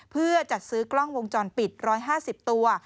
เพื่อจัดซื้อกล้องวงจรปิด๑๕๐ตัว